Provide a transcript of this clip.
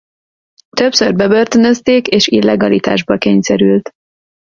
Többször bebörtönözték és illegalitásba kényszerült.